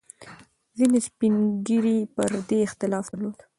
ځینې سپین ږیري پر دې اختلاف درلود.